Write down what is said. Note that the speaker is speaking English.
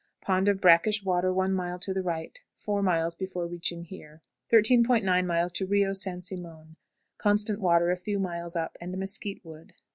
Pond of brackish water one mile to the right, four miles before reaching here. 13.90. Rio St. Simon. Constant water a few miles up, and mesquite wood.